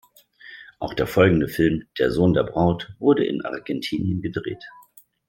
Auch der folgende Film, "Der Sohn der Braut" wurde in Argentinien gedreht.